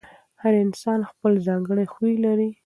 هر انسان خپل ځانګړی خوی لري.